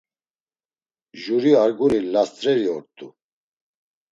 Juri arguni last̆reri ort̆u.